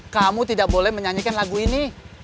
kamu tidak boleh menyanyikan lagu ini